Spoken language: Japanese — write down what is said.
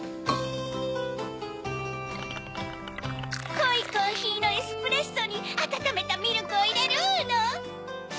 こいコーヒーのエスプレッソにあたためたミルクをいれるの。